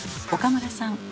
岡村さん